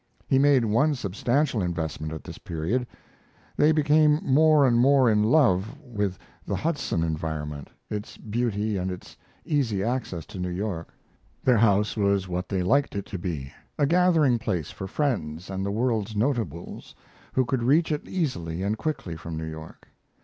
He made one substantial investment at this period. They became more and more in love with the Hudson environment, its beauty and its easy access to New York. Their house was what they liked it to be a gathering place for friends and the world's notables, who could reach it easily and quickly from New York.